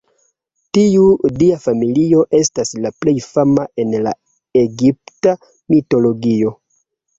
Tiu dia familio estas la plej fama en la egipta mitologio.